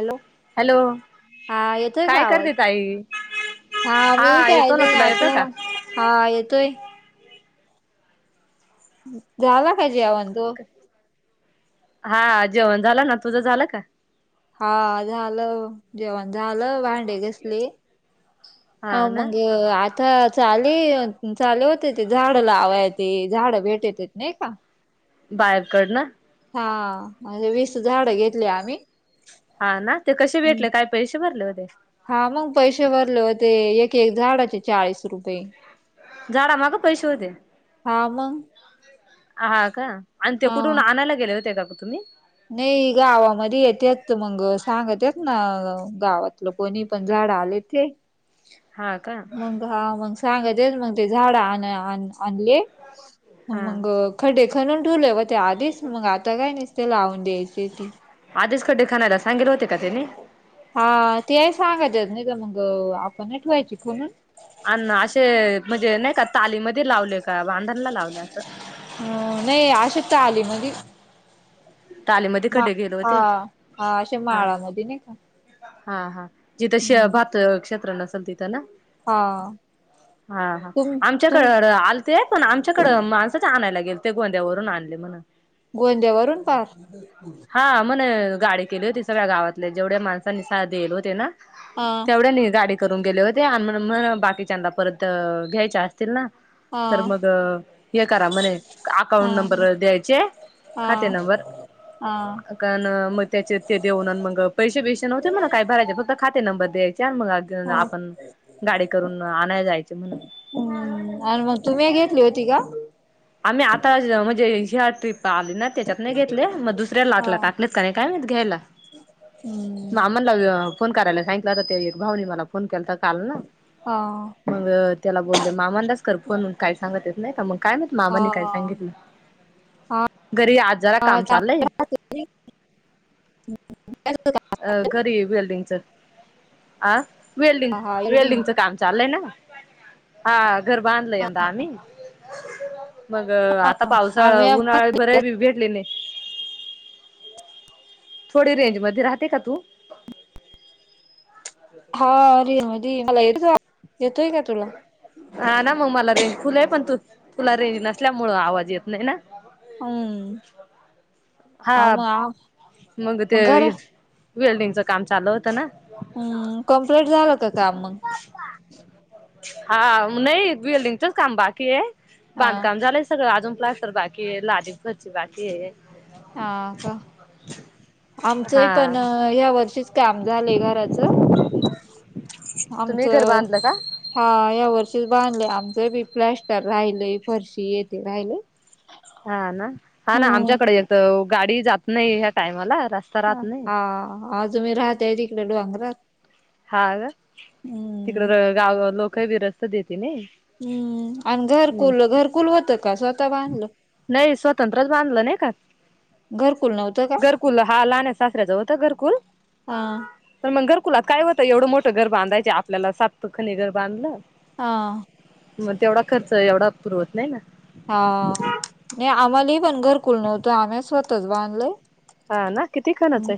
Hello hello हा येतोय का काय आवाज करते ताई? हा मी येतो ना कायनीं तुला येतं आता का हा येतोय जालं का जेवण? हा जेवण झालं ना, तुझं झालं का? हा झालं जेवण झालं, भांडे घसले, हा ना मग आ आता चाली चाले होते ते झाडं लावाय, ते झाडं भेटतेत नाही का बाहेरकड ना? हा म्हनजे वीस झाड घेतली आम्ही. हा ना ते कसे हम्म. भेटले? काय पैसे भरले होते? हा मग पैसे भरले होते, एक एकाय झाडाचे चाळीस रुपये. झाडा माग पैसे होते? हा मग हा का? अंन ते हा कठून आणया गेले होते का तुम्ही? नाही गावामध्ये येत्यात, मग सांगत्यात ना गावात लोक कोणी पण झाडं आले ते हा का? मग हा मग सांगत्यात मग ते झाड आणाया आणले हा मग खड्डे खनून ठेवले व्हते आधीच, मग आता काय नाही नुसते लावून द्यायचे ते आधीच खड्डे खणायला सांगेल होते का तेनी? हा ते सांगत्यात नाही तर मग आपण नाई ठेवायची खणून अन असे म्हणजे नाही का तालीमध्ये लावले का बांधणला लावलं असं? हम नाही अशे ताली मध्ये तालीमध्ये मा खडे घेयल हा होते अशा हा माळामध्ये नाही का हा हा जिथं शुभेच्छा हम्म भात क्षेत्र नसेल तिथं ना? हा हा हा तुम तुम आमच्याकडे आ ते पण आमच्याकडें माणसंच आणायला गेल ते गोंद्यावरून आणले म्हण गोंद्यावरून पार? हा मण गाडी केली होती सगळ्या गावातले जेवढ्या माणसांनीसार होते ना ह तेवढ्यानी गाडी करून गेले होते आणि म बाकीच्याना परत घ्यायच्या असतील ना हा तर मग हे करा म्हणे हा अकाउंट नंबर द्यायचे हा खाते हा नंबर कारण मग त्याचे ते देऊन मग पैसे बेसे नव्हते मणा काय भरायचे फक्त खाते नंबर द्यायचे आणि मग हा आपण गाडी करून आणायला जायच म्हण हम्म आणि मग तुम्ही घेतली होती का आम्ही आता म्हणजे शिया ट्रिप आली ना त्याच्यात नाही घेतले मग दुसऱ्याला हा लाटला टाकलेच का नाही काय घ्यायला. हम्म मामांना फोन करायला सांगितलंता ते एक भाऊनी मला फोन केलत काल ना हां मग त्याला बोलले मामांनाच कर फोन काय सांगत्यात नाही का मग काय माहित हा मामांनी काय सांगितलं? हा घरी आज जरा हा काम चाललंय. चांगला अ घरी वेल्डिंग च अ वेल्डिंग हा इरडिंग वेल्डिंगचं काम चाललंय ना हा घर बांधलय आता आम्ही मग आता पावसाळा आम्ही उन्हाळा बरे भेटले नाही थोडी रेंजमध्ये राहते का तू हारि मोदी मला येत येतोय का तुला हा ना मग मला रेंज फुले आहे पण तू तुला रेंज नसल्यामुळे आवाज येत नाही ना हम्म हा मग ते वेल्डिंगचं काम चालू होतं ना हम्म कम्प्लीट झालं का काम मग हा नाही वेल्डिंगच काम बाकी आहे हा बांधकाम झालंय सगं अजून पालस्टर अस तर बाकी आहे लाजी घरची बाकी आहे हा का आमचंही हा पण ह्या वर्षीच काम झालय घराच तुम्ही घर आमचं बांधलं का हा या्या वर्षीच बांधले आमचं बी प्लॅस्टर राहिलय फरशी येथे राहिलय हा ना हा ना आमच्याकडे य गाडी जात नाही ह्या कायमलास् ह हा आज तुम्ही राहताय तिकडे डोंगरात हा हम्म तिकडे गाव लोक रस्ते देते नाही हम्म आणि हो घरकुल घरकुल होतं का स्वतः बांधलं नाही स्वतंत्रच बांधलं नाही का घरकुल नव्हतं का घरकुल हा लहान सासऱ्याचा होत घरकुल हा तर मग घरकुलात काय होतं एवढं मोठं घर बांधायचे आपल्याला सात खनी घर बांधलं हा मग तेवढा खर्च एवढा पुरवत नाही ना हा नाही आम्हाला पण घरकुल नव्हतं आमही स्वतःच बांधलय हा ना किती खनाच आहे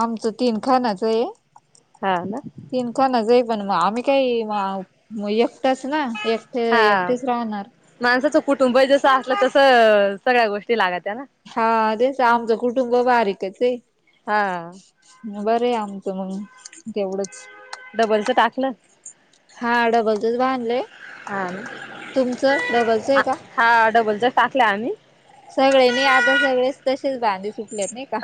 आमचं तीन खानाचं आहे हा ना तिन खणाचं पण मग आम्ही काही एकटच ना एकटे हा एकटेच राहणार माणसाचं कुटुंब जस असलं तस सगळ्या गोष्टी लागत या ना हा तेच आमचं कुटुंब बारीकच आहे हा बरे आमच मग तेवढंच डबलच टाकलं हा डबलचच बांधलंय हा ना तुमचं डबलचं आहे का हा डबलच्या टाकल्या आम्ही सगळेने आता सगळेच तसेच बांध सुट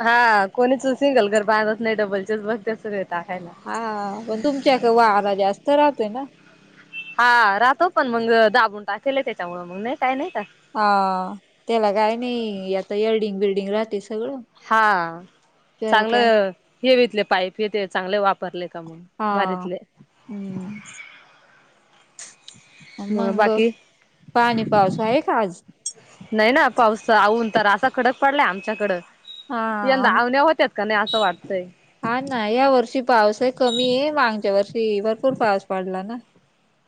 हा कोणी सिंगल च घर बांधत नाही डबल चेच बघतेस येत आखायला हा पण तुमच्या इकडं वारा जास्त राहतोय ना. हा राहतो पण मग दाबून टाकलंय त्यांच्यामुळ मग नाही काय नाही का. हा त्याला काय नाही याता एर्डिंग बिल्डिंग राहते सगळं. हा त्याला काय चांगलं हे बितले पाईप हे ते चांगले वापरले का म्हग हा हम्म मग मंग बाकी पाणी पावस आहे का आज नाही ना पाऊस आऊून तर असा कडक पडलाय आमच्याकडं हा यंदा आम अवण्या होत का नाही असं वाटतंय. हा ना या वर्षी पाऊस आहे कमी आहे मागच्या वर्षी भरपूर पाऊस पडला ना.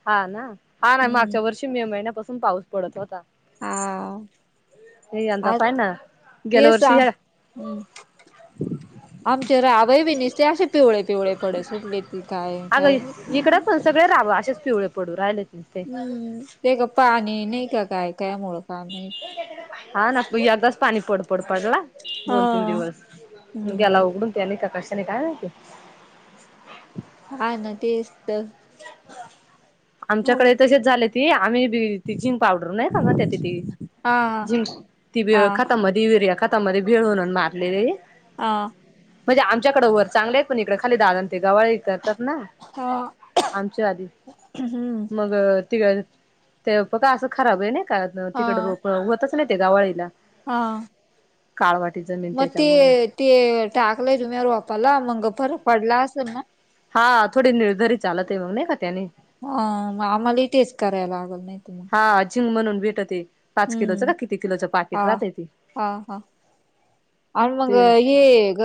हा ना हा नाही हम्म मागच्या वर्षी मे महिन्यापासून पाऊस पडत होता. हा यंदा आ पायना गेल्या ते वर्षी सांग ह्या हम्म आमचे राबईबी निसते अशे पिवळे पिवळे पड सुटली ती काय काय अगं इकडं माहीत. पण सगळे राव अशेच पवळे पडू राहिले. हम्म ते का पाणी नाही का काय कायमुळ का नाही हा ना यंदाच पाणी पड पड पडला. दोन तीन हा दिवस म ग्याला हम्म उघडून त्याने का कशाने काय नाहीती. हा ना तेच तर. हो. आमच्याकडे तसेच झाले ती आम्ही ती झीन पावडर नाही का म्हणत्यातती हा झीन ती हा खतामधी युरिया खत ता मध्ये भेळ म्हणून मारलेली. आ. म्हणजे आमच्याकडें वर चांगले आहेत पण इकडे खाली दादां ते गवाळी करतात ना हा हम्म. म त ब अस खराब आहे का हा तिकड रोप होत ते गवाळीला. हा. काळ वाटीचन. मग ते ते टाकलंय तुम्ही वापाला मंग फर पडला असेल ना. हा थोडी निर्धारित चालत आहे मग नाही का त्याने अ आम्हाला इ तेच करायला लागल नाहीत मग. हा अजिंग म्हणून भेटते. पाच किलोच हम्म का किती किलोचं हा पाकिट राहत ते हा हा आणि मग ते. हे ग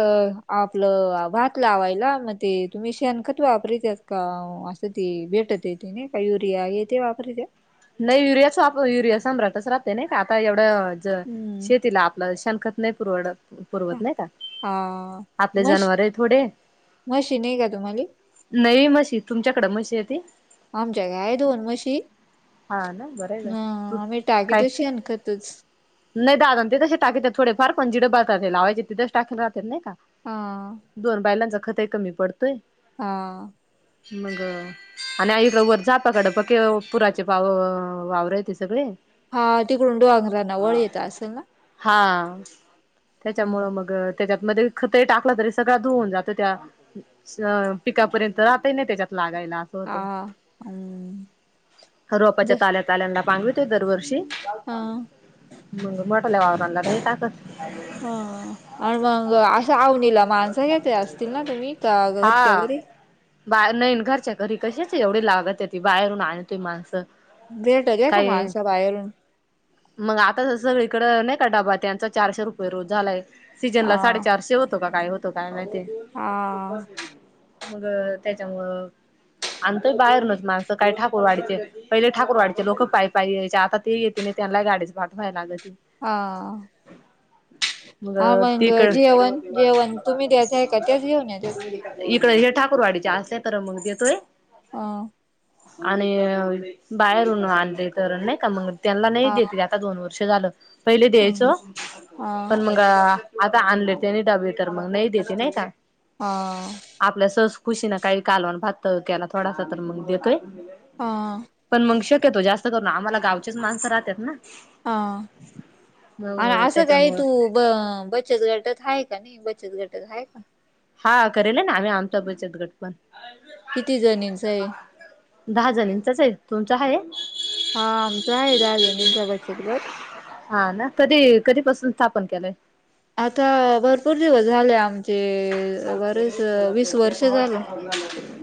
आपलं भात लावायला मग ते तुम्ही शेण खत वापरीत्यात. का असं ती भेटत य त नाही का युरिया य तेे वापरी त्या. नाही युरियाच युरिया सम्राटच राहते नाही का आता एवढं ज हम्म शेतीला आपलं शेणखत नाही पुरवडत. पुरवत नाही का हा आपले मश जनवारे थोडे. म्हशी नाही का तुम्हाले. नई म्हशी तुमच्याकडें म्हशी येती. आमच्या काय दोन म्हशी हा ना बरं बर अ तू आम्ही काय टाकीत शेण खतच. नाही दादा ते तसे टाकतात थोडे फार पण जिड बलतात ते लावायचे त तेथे टाकले राहतात नाही का. हा. दोन पायलांचा खतय कमी पडतोय. हा. मग. आणि आईकड वर झापाकडपा कि पुराचे पाव वावर येत सगळे. हा तिकडून [unintelligible] येत असेल ना हा हम्म त्याच्यामुळं मग त्या त्यातमध्ये ते टाकलं तरी सगळ्या धुऊन जातं त्या अ पिकापर्यंत राहतय नाही त्याच्यात लागायला हो हा हम्म हर आपच्या जस ताल्यात ल्यांदा पांगवितोय दरवर्षी मग मोठल्या वावरांला नाही टाकत. ह आणि मग असा आवणीला माणसं घेत असत. तील ना तुम्ही का घरच्या हा घरी. बा नईन घरच्या घरी कशाच एवढी लागत आहे ती बाहेरून आणतोय माणसं. भेट घ्या का काही माणसा बायलून मग आता सगळीकडं नाही का डबा त्यांचा चारशे रुपये रोज झालाय सीजन ला हा साडेचारशे होतो का काय होतो काय नाही ते हा मग त्याच्यामुळं आण त बाहेर नत माणसं काय ठाकूर वाढचे पहिले ठाकूरवाडीचे लोक पाय पाय यायचे आता ते येते नाही त्यांना गाडीच पाठवाय लाग त हा मग हा तिकडेांग जेवण जेवण तुम्ही द्यायचं आहे का त्याच घेऊन येतात इकड हे ठाकूरवाडीच्या असल्याय तर मग देतोय ह आणि बाहेरून आणली तर नाही का मंग त्यांना नाही हा देते आता दोन वर्ष झालं पहिले हा द्यायचं पण मग आता आणले त्यानी डाबे तर मग नाही देते नाही का ह आपल्या सहस खुशी ना काही कालवण भातत त्याला थोडासा तर मग देतोय हा पण मग शक्यतो जास्त करून ना आम्हाला गावचेच माणसं राहतात हना हा आणि असं काही त्याच्यामुळं तू ब बचत गटात आहे का नाही बचत गटात आहे का हा करेल ना आम्ही आमचा बचत गट पण किती जणींचा आहे दहा जणचाच आहे तुमच आहे हा आमचा आहे राजनीचा बचत गड हा ना कधी कधीपसून स्थापन केलंय आता भरपूर दिवस झाले आमचे बरेच वीस वर्ष झालं.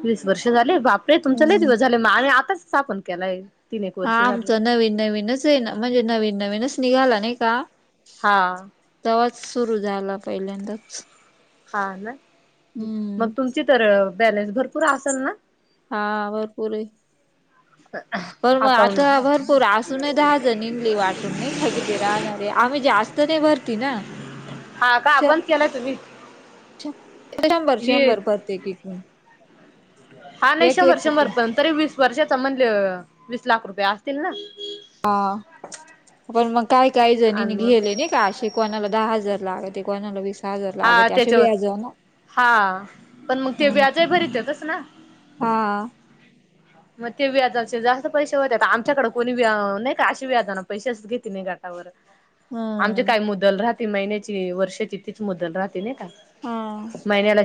वीस वर्ष झाले बापरे तुमचा नाही हम्म दिवस आणि आताच स्ा आपण केलाय तीन एक हा वर्ष झाले आमचं नवीन नवीनच आहे ना म्हणजे नवीन नवीनच निघाला नाही का हा जवाज सुरू झाला पहिल्यांदाच हा ना मग हम्म तुमची तर बॅलेन्स भरपूर असेल ना हा भरपूर आहे पण मग आता अकाउंट भरपूर असून दहा नमली वाटून नाही खा कि ते राहणारे आम्ही जास्त ते भरती ना हा का श बंद केलाय तुम्ही शंभर हे शंभर पररते एकूण- हा नाही एक एक शंभर्षभर एकूण प तरी वीस वर्षाचा म्हणले वीस लाख रुपये असतील ना. हा पण मग काय काय आणि जणीने मग घेले नाही. कश आहे कोणाला दहा हजार लागत कोणाला वीस काजरलाग हा ते अश त्याच्यावर वेयाजव ना. हा पण मग ते व्याजही भरीत येतच ना हा. मग ते व्या जाचे जास्त पैसे होतात आमच्याकडे कोणी व्या नाही. काता पैसे घेत नाहीटावर आम हम्म काय मु दल राहाती महिन्याची वर्षाची तीच मुदल राह नाही का? हा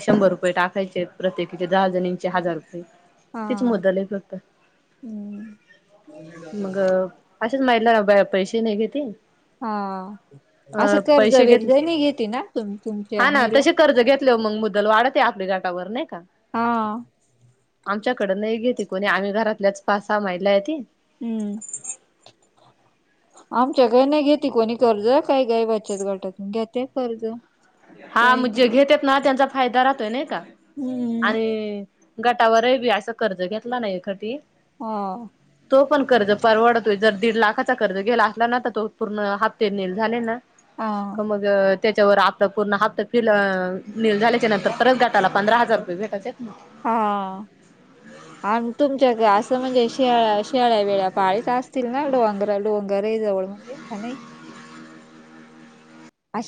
शंभर रुपये टाकायचे प्रत्येकीचे दहा जणीचे हजार रुपये तच मदल आहे हम् अेच माहिला पैसे नाही घेतती हा असं कर्ज पैसे वर्ज घेतले नाही घेते ना त तुमच्या हा ना महिला. तसे कर्ज घेतले मग मुदल वाढत आपल्या घटावर नाही का? हा. आमच्याकड नाही घेते कोणी आम्ही घरातल्याच पाच सहा महिला आहे ती. हम्म. आमच्याकडे नाही घेते कोणी कर्ज. काय काय बचत गाटातून घेतात कर्ज. त्या हा म्हणजे घेत्यात ना त्यांचा फायदा राहतोय नाही का? हम्म. आणि गटावरही बी असं कर्ज घेतला नाही कधी. हा. तो पण कर्ज परवडतोय जर दीड लाखाचा कर्ज गेला असला ना तर तो पूर्ण हफ्ते नील झाले ना का हा मग त्याच्यावर आ पूर्ण हप्त फिल नील झाल्याच्या नंतर परत गटाला पंधरा हजार रुपये भेटायचे ना. हा. [inaudible] आणि मग तुमच्या असं म्हणजे शिया्या शिळ्या वेळ्या पाळी तर असतील ना डोंगरा डोंगरही जवळ म्हणजे [inaudible] अशा